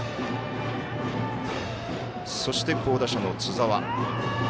そして、好打者の津澤。